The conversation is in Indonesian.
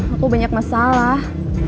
aku banyak masalah